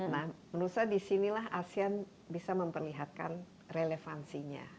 nah menurut saya disinilah asean bisa memperlihatkan relevansinya